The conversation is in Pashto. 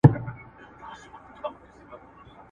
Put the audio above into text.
ایا ته به کله بیا په خپل شنه چمن کې کښېنې؟